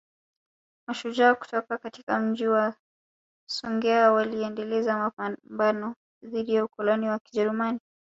Mashujaa kutoka katika Mji wa Songea waliendeleza mapambano dhidi ya ukoloni wa Kijerumani